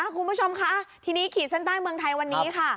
คุณผู้ชมค่ะทีนี้ขีดเส้นใต้เมืองไทยวันนี้ค่ะ